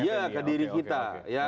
iya ke diri kita